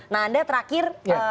nah anda terakhir